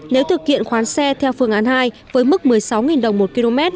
nếu thực hiện khoán xe theo phương án hai với mức một mươi sáu đồng một km